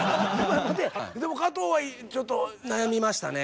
でも加藤はちょっと。悩みましたね。